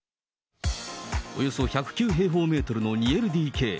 およそ１０９平方メートルの２ＬＤＫ。